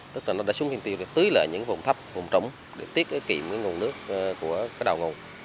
tức là nó đã xuống canh tiêu để tưới lại những vùng thấp vùng trống để tiết kiệm cái nguồn nước của cái đào ngủ